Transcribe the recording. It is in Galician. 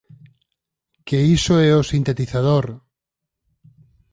¡Que iso é o sintetizador!